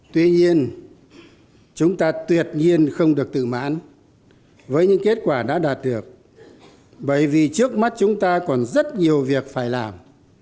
tuy nhiên chúng ta tuyệt nhiên không được tự mãn với những kết quả đã đạt được bởi vì trước mắt chúng ta còn rất nhiều việc phải làm